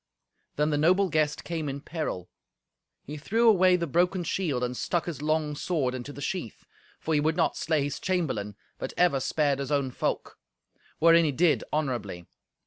Then the noble guest came in peril. He threw away the broken shield and stuck his long sword into the sheath, for he would not slay his chamberlain, but ever spared his own folk; wherein he did honourably.